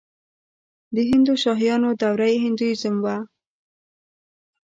د هندوشاهیانو دوره کې هندویزم و